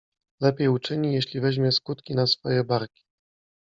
Lepiej uczyni, jeśli weźmie skutki na swoje barki.